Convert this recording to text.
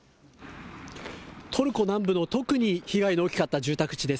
トルコ南部の特に被害の大きかった住宅地です。